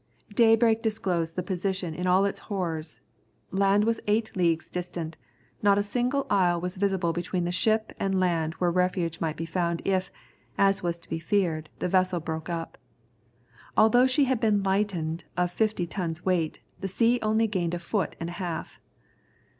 Daybreak disclosed the position in all its horrors. Land was eight leagues distant, not a single isle was visible between the ship and land where refuge might be found if, as was to be feared, the vessel broke up. Although she had been lightened of fifty tons weight, the sea only gained a foot and a half.